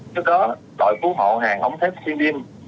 trước đó đội cứu hộ hàng ống thép xiên đêm